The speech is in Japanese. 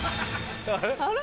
あれ？